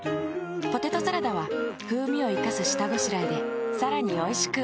ポテトサラダは風味を活かす下ごしらえでさらに美味しく。